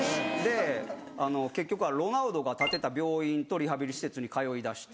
結局はロナウドが建てた病院とリハビリ施設に通い出して。